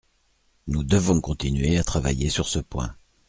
Nous devons continuer à travailler sur ce point.